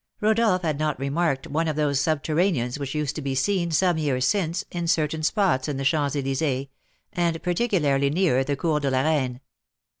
Rodolph had not remarked one of those subterraneans which used to be seen, some years since, in certain spots in the Champs Elysées, and particularly near the Cours la Reine.